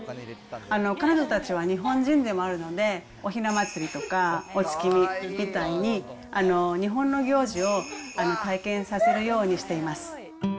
彼女たちは日本人でもあるので、おひな祭りとかお月見みたいに、日本の行事を体験させるようにしています。